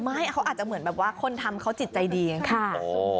ไม่เขาอาจจะเหมือนแบบว่าคนทำเขาจิตใจดีไงค่ะ